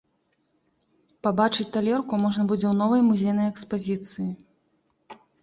Пабачыць талерку можна будзе ў новай музейнай экспазіцыі.